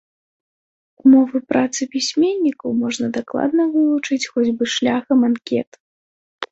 Умовы працы пісьменнікаў можна дакладна вывучыць хоць бы шляхам анкет.